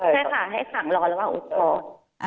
ใช่ค่ะให้ขังระหว่างรออุทธรณ์